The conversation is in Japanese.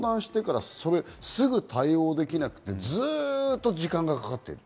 すぐ対応できなくて、ずっと時間がかかっている。